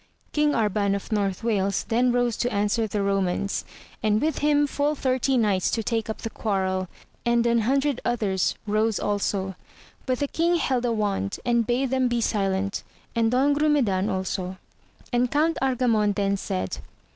King Arban of North Wales then rose to answer the Romans, and with him full thirty knights to take up the quarrel, and an hundred others rose also, but the king held a wand and bade them be silent, and Don Grumedan also. And Count Argamon then said.